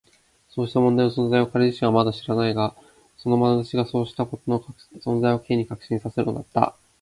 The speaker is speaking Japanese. そうした問題の存在を彼自身はまだ全然知らないが、そのまなざしがそうしたことの存在を Ｋ に確信させるのだった。